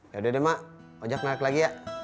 yaudah deh mak ojek naik lagi ya